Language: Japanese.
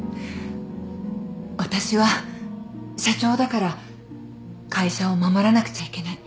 私は社長だから会社を守らなくちゃいけない。